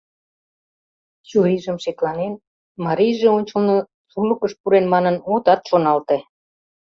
Чурийжым шекланен, марийже ончылно сулыкыш пурен манын, отат шоналте.